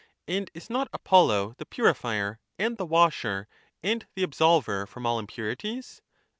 And is not Apollo the purifier, and the washer, and the absolver from all impurities?